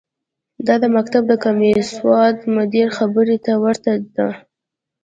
دا د مکتب د کمسواده مدیر خبرې ته ورته ده.